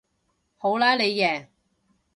好啦你贏